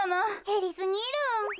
へりすぎる。